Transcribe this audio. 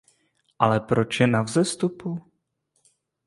Ale proč je na vzestupu?